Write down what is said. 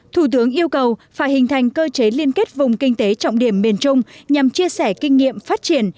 thủ tướng yêu cầu phải hình thành cơ chế liên kết vùng kinh tế trọng điểm miền trung nhằm chia sẻ kinh nghiệm phát triển